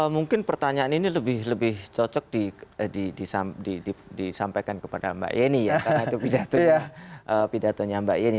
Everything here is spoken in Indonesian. mungkin pertanyaan ini lebih cocok disampaikan kepada mbak yeni ya karena itu pidatonya mbak yeni